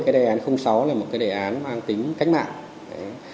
đề án sáu là một đề án mang tính cách mạng